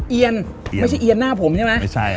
เอียนไม่ใช่เอียนหน้าผมใช่ไหม